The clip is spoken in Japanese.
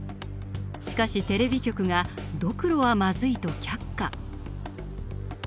しかしテレビ局が「ドクロはまずい」と却下。